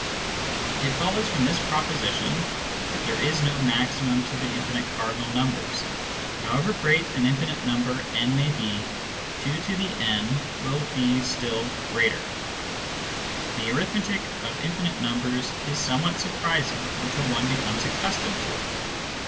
It follows from this proposition that there is no maximum to the infinite cardinal numbers. However great an infinite number n may be, 2" will be still greater. The arithmetic of infinite numbers is somewhat surprising until one becomes accustomed to it.